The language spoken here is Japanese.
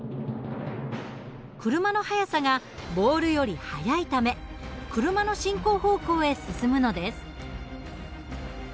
車の速さがボールより速いため車の進行方向へ進むのです。